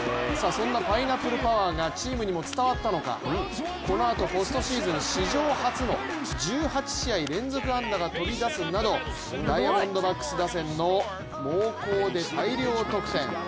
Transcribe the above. そんなパイナップルパワーがチームにも伝わったのかこのあとポストシーズン史上初の１８試合連続安打が飛び出すなど、ダイヤモンドバックス打線の猛攻で大量得点。